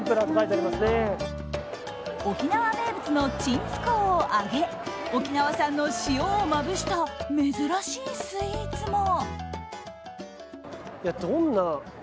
沖縄名物のちんすこうを揚げ沖縄産の塩をまぶした珍しいスイーツも。